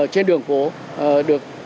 trên đường phố được